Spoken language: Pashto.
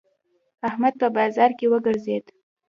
احمد په بازار وګرځېد.